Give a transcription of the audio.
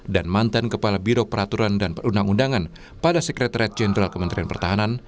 dan mantan kepala biro peraturan dan perundang undangan pada sekretariat jenderal kementerian pertahanan